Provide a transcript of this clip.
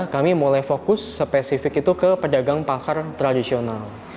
kami mulai fokus spesifik itu ke pedagang pasar tradisional